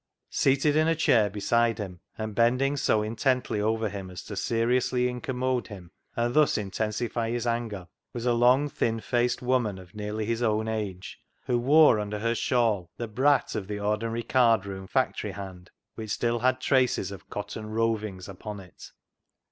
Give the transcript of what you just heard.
Seated in a chair beside him, and bending so intently over him as to seriously incommode him, and thus intensify his anger, was a long, thin faced woman of nearly his own age, who wore under her shawl the " brat " of the ordinary card room factory hand, which still had traces of cotton " rovings " upon it.